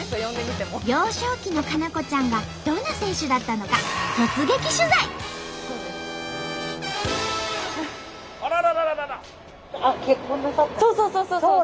幼少期の佳菜子ちゃんがどんな選手だったのかそうそうそうそう！